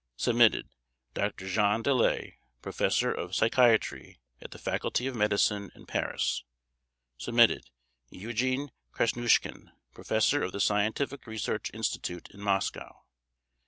/s/ DR. JEAN DELAY, Professor of Psychiatry at the Faculty of Medicine in Paris. /s/ EUGENE KRASNUSHKIN, Professor of the Scientific Research Institute in Moscow.